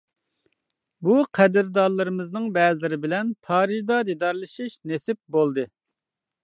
بۇ قەدىردانلىرىمىزنىڭ بەزىلىرى بىلەن پارىژدا دىدارلىشىش نېسىپ بولدى.